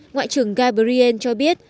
ngoại trưởng gabriel cho biết